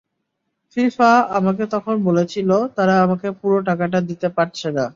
FIFA আমাকে তখন বলেছিল, তারা আমাকে পুরো টাকাটা দিতে পারছে না।